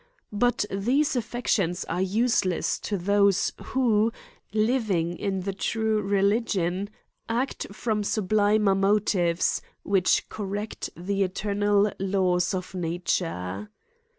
But these reflections are use less to those who, living in the true religion, act from sublimer motives, which correct the eternal laws of nature.